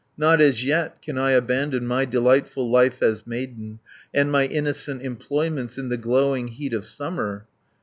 "Not as yet can I abandon My delightful life as maiden, And my innocent employments In the glowing heat of summer.